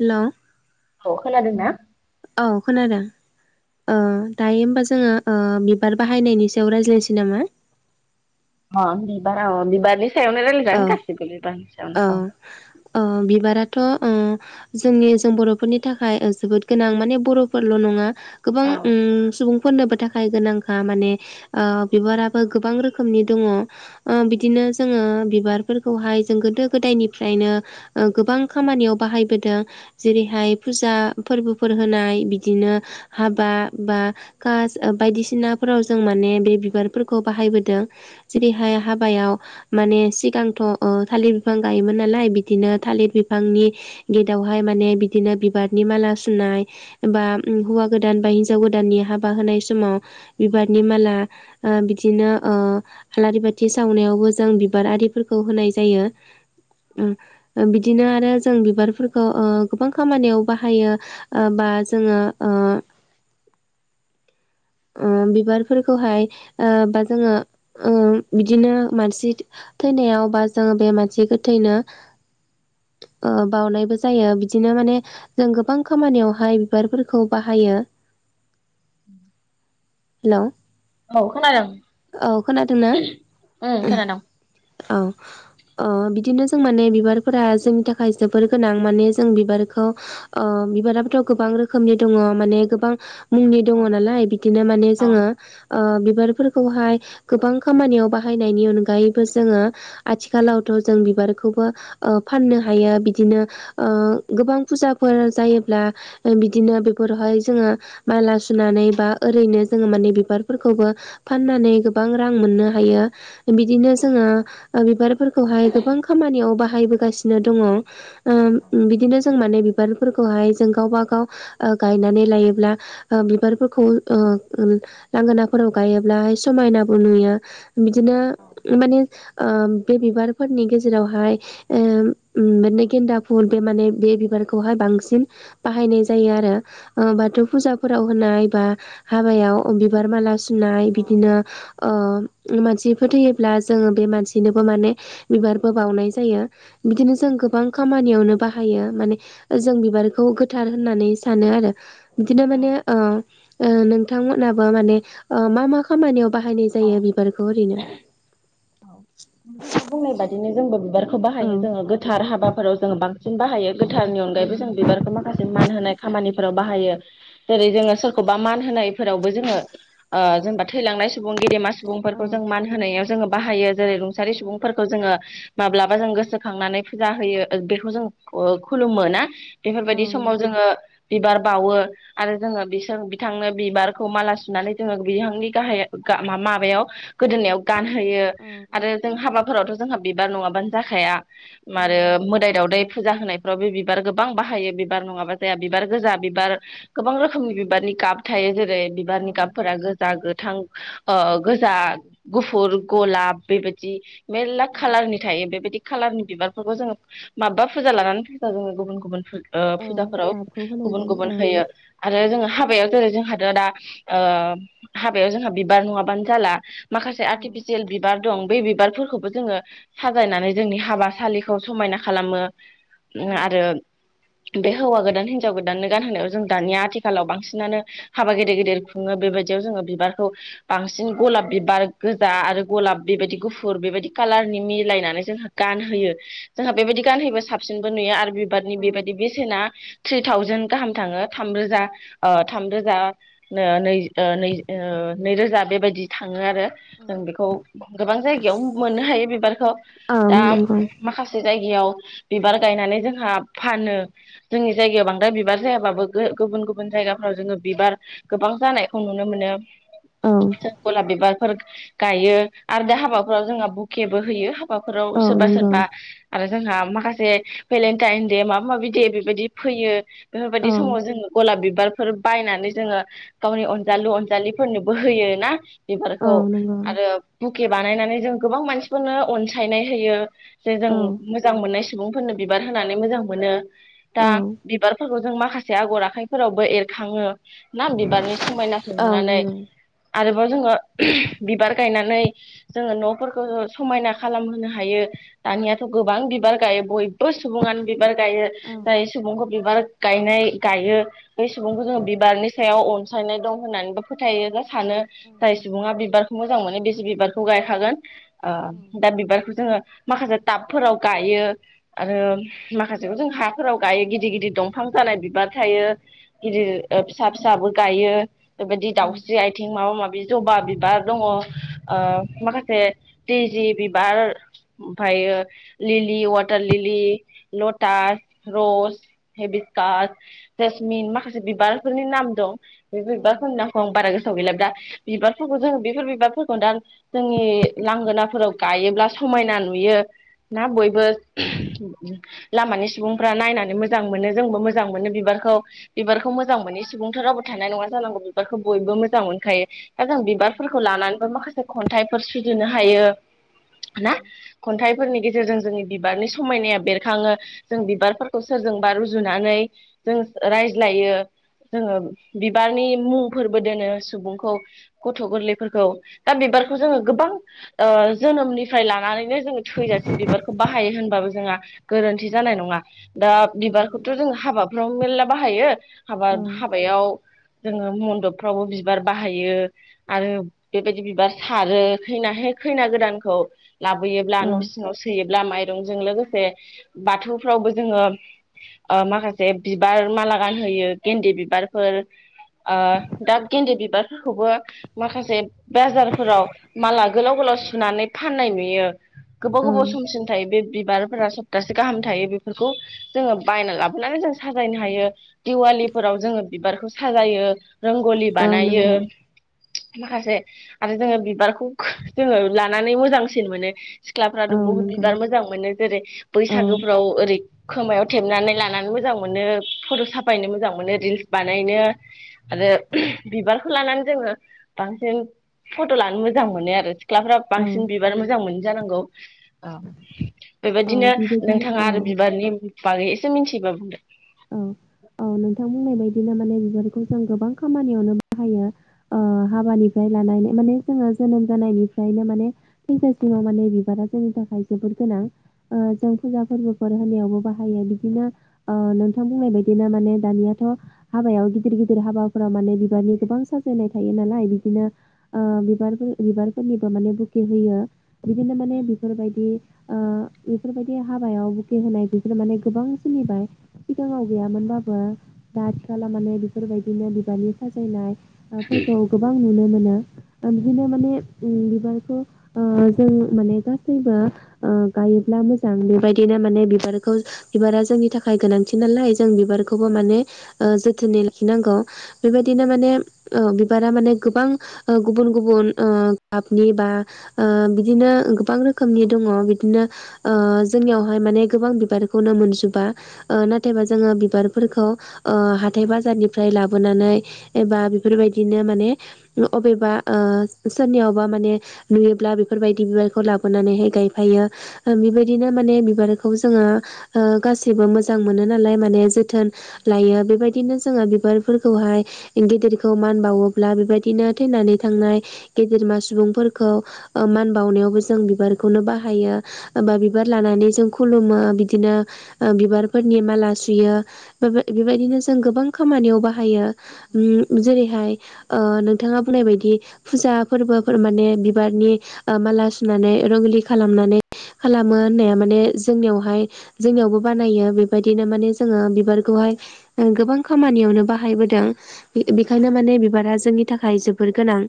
Hello औ खोनादों ना औ खोनादों। ओ दायो होमबा जोङो ओ बिबार बाहायनायनि सायाव रायज्लायनोसै नामा? अ बिबारा बिबारनि सायावनो औ रायलायजागोन गासिबो बिबारनि औ सायावनो ओ बिबाराथ' ओ जोंनि जों बर'फोरनि थाखाय जोबोद गोनां माने बर'फोरल' नङा। गोबां औ ओम सुबुं फोरनोबो थाखाय गोनांखा माने ओ बिबाराबो गोबां रोखोमनि दङ' ओ बिदिनो जोङो। बिबारफोरखौहाय जों गोदो गोदायनिफ्रायनो गोबां खामानियाव बाहायबोदों। जेरैहाय फुजा फोरबोफोर होनाय बिदिनो हाबा बा कास बायदिसिनाफोराव जों माने बे बिबारफोरखौ बाहायबोदों जेरैहाय हाबायाव माने। सिगांथ' ओ थालिर बिफां गायोमोन नालाय बिदिनो थालिर बिफांनि गेदावहाय माने बिदिनो बिबारनि माला सुनाय बा हौवा गोदान बा हिन्जाव गोदाननि हाबा होनाय समाव बिबारनि माला ओ बिदिनो ओ आलारि बाथि सावनायावबो जों बिबारआरि फोरखौ होनाय जायो उम। बिदिनो आरो जों बिबारफोरखौ ओ गोबां खामानियाव बाहायो ओ बा जोङो ओ ओ बिबारफोरखौहाय ओ बा जोङो ओ बिदिनो मानसि थैनायाव बा जोङो बे मानसे गोथैनो ओ बाउनायबो जायो बिदिनो माने जों गोबां खामानियावहाय बिबारफोरखौ बाहायो। हेलौ औ खोनादों औ खोनादोंना ओम खोनादों। औ अ बिदिनो जों माने बिबारफोरा जोंनि थाखाय जोबोर गोनां माने जों बिबारखौ बिबाराबोथ' गोबां रोखोमनि दङ माने गोबां। मुंनि दङ' औ नालाय बिदिनो माने औ जोङो बिबारफोरखौहाय गोबां खामानियाव बाहायनायनि अनगायै जोङो आथिखालावथ' जों बिबारखौबो फाननो हायो बिदिनो गोबां फुजाफोर जायोब्ला बिदिनो बेफोरावहाय जोङो माला सुनानै बा ओरैनो जोङो माने बिबारफोरखौबो फाननानै गोबां रां मोननो हायो बिदिनो औ जोङो बिबारफोरखौहाय गोबां खामानियाव बाहायबोगासिनो दङ'। बिदिनो जों माने बिबारफोरखौहाय जों गावबा गाव गायनानै लायोब्ला बिबारफोरखौ लांगोनाफोराव गायोब्ला समायनाबो नुयो। बिदिनो बे बिबारफोरनि गेजेरावहाय बिदिनो गेन्दा फुल बे माने बे बिबारखौहाय बांसिन बाहायनाय जायो आरो बाथौ फुजाफोराव होनाय बा हाबायाव बिबार माला सुनाय बिदिनो मानसि फोथैयो ब्ला जोङो बे मानसिनोबो माने बिबारबो बावनाय जायो बिदिनो जों गोबां खामानियावनो बाहायो माने जों बिबारखौ गोथार होननानै सानो आरो। बिदिनो औ माने ओ नोंथांमोनाबो माने मा मा खामानियाव। बाहायनाय औ जायो बिबारखौ ओरैनो औ नोंथाङा बुंनाय बादि नो जोंबो बिबार खौ औ बाहायो जोङो गोथार हाबाफोराव जोङो बांसिन बाहायो गोथारनि औ अनगायैबो जों बिबारखौ माखासे मान होनाय खामानि फोराव बाहायो जेरै जोङो सोरखौबा मान होनायफोरावबो जोङो ओ जेनेबा थैलांनाय सुबुं गेदेमा सु सुबुंफोरखौ जों औ मान होनायाव जोङो बाहायो। जेरै रुंसारि सुबुंफोरखौ जोङो माब्लाबा जों गोसोखांनानै फुजा होयो ओ बेखौ जों खुलुमो ना। औ बेफोरबायदि समाव नंगौ जोङो बिबार बावो आरो जोङो बिसोर बिथांनो बिबारखौ माला सुनानै जोङो बिथांनि गाहायाव माबायाव गोदोनायाव गान होयो औ आरो जों हाबा फोरावथ' जोंहा बिबार नङाबानो जाखाया। औ आरो नंगौ मोदाइ दावदाय फुजा होनायफ्राव बे बिबार गोबां बाहायो बिबार नङाबा जाया बिबार गोजा बिबार गोबां रोखोमनि बिबारनि गाब थायो जे रै औ बिबारनि गाबफोरा गोजा गोथ थां ओ गोजा गुफुर गलाब बेबायदि मेरला औ खालारनि थायो बेबायदि खालारनि बिबारफोरखौ जोङो माबा फुजा लानानै फुजा जोङो गुबुन गुबुन ओ औ फुजाफोराव गाबखौ होनाय गुबुन जायो गुबुन औ होयो आरो जोंहा हाबायाव जेरै जोंहाथ' दा ओ हाबायाव जोंहा बिबार नङाबानो जाला माखासे औ आरथि सेल बिबार दं बे बिबारफोरखौबो जोङो साजायनानै जोंनि हाबासालिखौ समायना खालामो ओम औ आरो बे हौवा गोदान हिनजाव गोदाननो गानहोनायाव जों दानिया आथिखालाव बांसिनानो हाबा गेदेर गेदेर खुङो बेबायदियाव जोङो बिबारखौ बांसिन गलाब बिबार गोजा आरो गलाब बेबायदि गुफुर बेबायदि कालारनि मिलायनानै जोंहा गानहोयो औ जोंहा बेबायदि गानहोयोबा साबसिनबो नुयो आरो बिबारनि औ बेबायदि बेसेना थ्रि थावजेेन गाहाम थाङो थामरोजा ओ थामरोजा नैै ओ नै ओ नैरोजा बेबायदि थाङो आरो जों बेखौ गोबां जायगायाव मोननो हायो बिबारखौ औ दा नंगौ माखासे जायगायाव बिबार गायनानै जोंहा फानो जोंनि जायगायाव बांद्राय बिबार जायाबाबो गुबुन गुबुन जायगाफोराव जोङो बिबार गोबां जानायखौ नुनो मोनो औ गलाब बिबार [unintelligible] गायो आरो दा हाबाफ्राव जोंहा बुकेबो होयो हाबाफोराव औ सोरबा नंगौ सोरबा आरो जोंहा माखासे भेलेन्टाइन दे माबा माबि दे बेबायदि फैयो बेफोरबायदि औ समाव जोङो गलाब बि बिबारफोर बारफोर बायनानै जोङो गावनि अनजालु अनजालिफोरनोबो होयो ना औ बेफोरखौ नंगौ आरो बुक के बानायनानै जों गोबां मानसिफोरनो अनसायनाय होयो जे जों औ मोजां मोननाय सुबुंफोरनो बिबार होनानै मोजां मोनो दा औ बिबारफोरखौ जों माखासे आगर आखाइफोरावबो एरखाङो ना बिबारनि समायनाखौ औ नुनानै नंगौ आरोबाव जोङो बिबार गायनानै जोङो न'फोरखौ समायना खालामहोनो हायो दानियाथ' गोबां बिबार गायो बयबो सुबुङानो बिबार गायो औ जाय सुबुंखौ बिबार गायनाय गायो बे सुबुंखौ जोङो बिबारनि सायाव अनसायनाय दं होननानैबो फोथायो सानो औ जाय नंगौ सुबुङा बिबारखौ मोजां मोनो बेसे बिबारखौ गायखागोन ओ औ दा बिबारखौ जोङो माखासे टाबफोराव गायो आरो माखासेखौ जों हाफोराव गायो गिदिर गिदिर दंफां जानाय बिबार थायो गिदिर फिसा फिसाबो गायो बेबायदि औ दावस्रि आइथिं माबा माबी जबा बिबार दङ ओ माखासे तेजि बिबार, ओमफ्रायो लिलि वाटार, लिलि लटास, रस, हेबिस्कास, जेसमिन, माखासे बिबारफोरनि नाम दं। [unintelligible] औ बारा गोसाव गैला दा बिबारफोरखौ जोङो बे बेफोर बिबारफोरखौ दा जोंनि लांगोनाफोराव गायोब्ला समायना नुयो। ना बयबो लामानि सुबुंफ्रा नायनानै मोजां मोनो जोंबो मोजां मोनो बिबारखौ बिबारखौ औ मोजां मोनै सुबुंथ' रावबो थानाय नङा जानांगौ बिबारखौ बयबो मोजां मोनखायो दा औ जों फोरखौ नंगौ लानानैबो माखासे खन्थाइफोर सुजुनो हायो ना खन्थाइफोरनि गेजेरजों जोंनि बिबारनि समायनाया बेरखाङो जों बिबारफोरखौ सोरजोंबा रुजुनानै जों रायज्लायो जोङो बिबारनि मुंफोरबो दोनो सुबुंखौ गथ' गोरलै फोरखौ दा बिबारखौ जोङो गोबां ओ जोनोमनिफ्राय लानानैनो जोङो थैजासि बिबारखौ बाहायो होनबाबो जोंहा गोरोन्थि जानाय नङा। दा औ नंगौ बिबारखौथ' जोंङो हाबाफ्राव मेरला बाहायो हाबा औ हाबायाव जोङो मन्दपफ्रावबो बिबार बाहायो आरो बेबायदि बिबार सारो खैनाहाय खैना गोदानखौ लाबोयोब्ला न' सियाव सोयो माइरंजों लोगोसे बाथौफ्रावबो जोङो ओ माखासे बिबार माला गानहोयो गेन्दे बिबारफोर ओ दा गेन्दे बिबारफोरखौबो माखासे बाजारफोराव माला गोलाव गोलाव सुनानै फाननाय नुयो। गोबाव औ गोबाव समसिम थायो बे बिबारफोरा सप्तासे गाहाम थायो। बेफोरखौ जोङो बायना लाबोनानै जों साजायनो हायो दिवालिफोराव जोङो बिबारखौ साजायो। रोंगलि औ बानायो नंगौ माखासे आरो जोङो बिबारखौ जोङो लानानै मोजांसिन मोनो। सिख्लाफ्राथ' औ बहुत नंगौ बिबार मोजां मोनो जेरै औ बैसागोफ्राव ओरै खोमायाव थेबनानै लानानै मोजां मोनो फट' साफायनो मोजां मोनो रिल्स बानायनो आरो बिबारखौ लानानै जोङो बांसिन फट' लानो मोजां मोनो आरो सिख्लाफ्रा औ बांसिन बिबार मोजां मोनो। जानांगौ ओ औ बेबायदिनो बेबायदिनो नोंथाङा औ आरो बिबारनि बागै एसे मिनथियोबा बुंदो? औ औ नोंथां बुंनाय बायदि। बिदिनो माने बिबारखौ जों गोबां खामानियावनो बाहायो ओ हाबानिफ्राय लानानै माने जोङो जोनोम जानायनिफ्रायनो माने थैजासिमाव माने बिबारा जोंनि थाखाय जोबोद गोनां ओ जों फुजा फोरबोफोर होनायावबो बाहायो बिदिनो ओ नोंथां बुंनाय बायदिनो माने दानियाथ' हाबायाव गिदिर गिदिर हाबाफोराव माने बिबारनि गोबां साजायनाय थायो नालाय बिदिनो ओ बिबारफोर बिबारफोरनिबो माने बुखे होयो बिदिनो माने बिफोरबायदि ओ बेफोरबायदि हाबायाव बुखे होनाय बिफोरो माने गोबां सोलिबाय। सिगाङाव गैयामोनबाबो दा आथिखालाव माने बेफोरबायदिनो बिबारनि साजायनाय फोरखौ गोबां नुनो मोनो ओंखायनो माने बिबारखौ ओ जों माने गासैबो ओ गायोब्ला मोजां बेबायदिनो माने बिबारखौ बिबारा जोंनि थाखाय गोनां। मिथियोनालाय जों बिबारखौबो माने ओ जोथोनै लाखिनांगौ बेबायदिनो माने ओ बिबारा माने गोबां गुबुन गुबुन ओ गाबनि बा ओ बिदिनो गोबां रोखोमनि दङ बिदिनो ओ जोंनियावहाय माने गोबां बिबारखौनो मोनजोबा। नाथायबा जोङो बिबारफोरखौ हाथाय बाजारनिफ्राय लाबोनानै एबा बेफोरबायदिनो माने अबेबा सोरनियावबा माने नुयोब्ला बेफोरबायदि लाबोनानै गायफैयो बेबायदिनो माने बिबार खौ जोङो गासिबो मो मोजां मोनो नालाय माने जोथोन लायो बेबायदिनो जोङो बिबारफोरखौहाय गेदेरखौ मान बावोब्ला बेबायदिनो थैनानै थांनाय, गेदेरमा सुबुंफोरखौ मान बावनायावबो जों बिबारखौनो बाहायो। एबा बिबार लानानै जों खुलुमो बिदिनो बिबार फोरनि माला सुयो बे बेबायदिनो जों गोबां खामानियाव बाहायो। उ जेरैहाय ओ नोंथाङा बुंनाय बायदि, फुजा फोरबोफोर माने बिबारनि माला सुनानै रंगिलि खालामनानै खालामो होननाया माने जोंनियावहाय जोंनियावबो बानायो बे बिदिनो माने जोङो बिबारखौहाय गोबां खामानियावनो बाहायबोदों! बेखायनो माने बिबारा जोंनि नि थाखाय जोबोर गोनां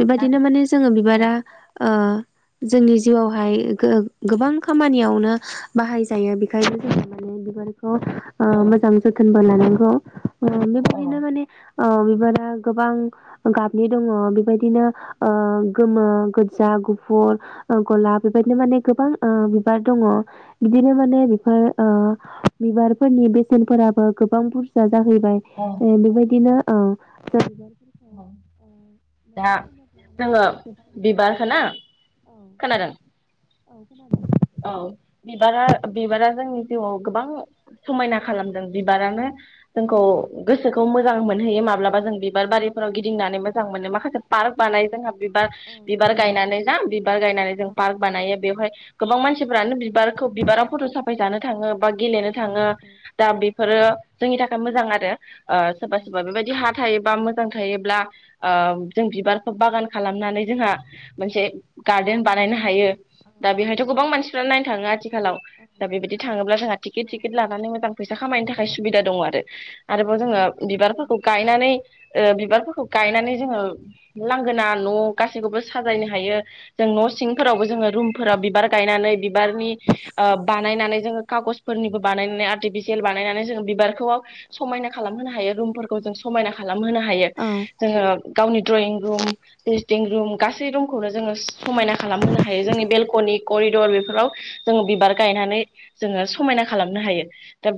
बेबायदिनो माने जोङो औ बिबारा जोंनि जिउआवहाय गोबां खामानियावनो बाहाय जायो बेखायनो [unintelligible] जोो औ माने बिबार मोजां जोथोन। ब ल नांगौ। अ। औ बेबायदिनो माने बिबारा गोबां गाबनि दङ बेबायदिनो गोमो, गोजा, गुफुर, गलाब बेबायदिनो माने गोबां बिबार दङ। बिदिनो माने बिफोर बिबारफोरनि बेसेनफोराबो गोबां बुरजा। जाहैबाय औ बेबायदिनो अ ज दा फानोब्ला माने जोङो जों गोबां बिबार खोना, औ खोनादों? औ खोनादों। औ बिबारा बिबारा जोंनि जिउआव गोबां समायना खालामदों, बिबारानो औ जोंखौ नंगौ गोसोखौ मो मोजां मोनहैयो माब्लाबा जों बिबार बारिफोराव गिदिंनानै मोजां मोनो माखासे पार्क बानाय जोंहा बिबार औ बिबार नंगौ गायनानै जा बिबार गायनानै जों औ पार्क बानायो बेवहाय गोबां मानसिफ्रानो बिबारखौ बिबाराव फट' साफायजानो थाङो, बा गेलेनो औ थाङो नंगौ दा बेफोरो जोंनि थाखाय मोजां आरो। सोरबा औ सोरबा बेबायदि ह थायोबा मोजां थायोब्ला, जों बिबारखौ बागान खालामनानै जोंहा मोनसे गार्डेन बानायनो हायो। औ दा बेहाय नंगौ [unintelligible] गोबां मानसिफ्रा नाय थाङो आथि खालाव औ दा बेबायदि थाङोब्ला जोंहा टिकिट सिकिट लानानै मोजां फैसा खामायनो थाखाय सुबिदा दङ आरो। औ आरोबाव जोङो नोंथां बुंनाय बादिनो बिबारफोरखौ गायनानै ओ बिबार फोरखौ गायनानै जोङो लांगोना न' गासैखौबो साजायनो हायो जों न' सिंफोरावबो जोङो रुमफोरा बिबार गायनानै बिबारनि ओ बानायनानै जोङो खागजफोरनिबो बानायनानै आर्टिफिसियेल बानायनानै जोङो बिबारखौ समायना खालामहोनो हायो। रुमफोरखौ जों समायना खा खालामहोनो हायो औ औ जोङो गावनि ड्रयिं रुम यिं रुम गासै रुमखौनो जोङो समायना खालामहोनो हायो जोंनि बेलक'निक करिडर बेफोराव जोङो बिबार गायनानै जोङो समायना खालामनो हायो दा